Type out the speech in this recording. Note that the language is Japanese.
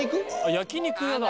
焼き肉屋だ！